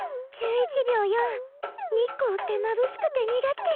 １１秒４日光ってまぶしくて苦手